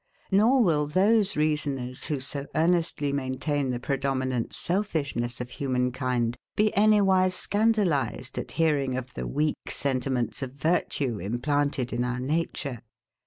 Nor will those reasoners, who so earnestly maintain the predominant selfishness of human kind, be any wise scandalized at hearing of the weak sentiments of virtue implanted in our nature.